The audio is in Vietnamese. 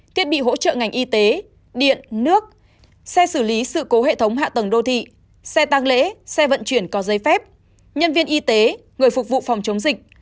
thiết bị hỗ trợ ngành y tế điện nước xe xử lý sự cố hệ thống hạ tầng đô thị xe tăng lễ xe vận chuyển có giấy phép nhân viên y tế người phục vụ phòng chống dịch